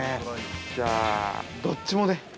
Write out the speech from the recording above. ◆じゃあ、どっちもで。